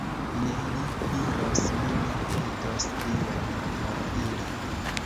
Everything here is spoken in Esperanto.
Ne, li diros, mi ne petos Dion por ili!